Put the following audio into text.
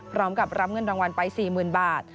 พร้อมกับรับเงินรางวัลไป๔๐๐๐บาท